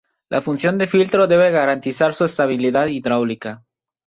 La función de filtro debe garantizar su estabilidad hidráulica.